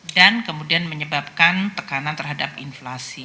dan kemudian menyebabkan tekanan terhadap inflasi